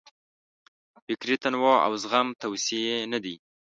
فکري تنوع او زغم توصیې نه دي.